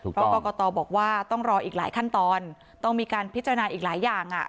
เพราะกรกตบอกว่าต้องรออีกหลายขั้นตอนต้องมีการพิจารณาอีกหลายอย่าง